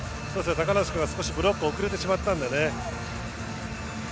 高梨君が少しブロックが遅れてしまったのでね。